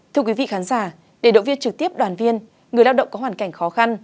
thưa quý vị khán giả để động viên trực tiếp đoàn viên người lao động có hoàn cảnh khó khăn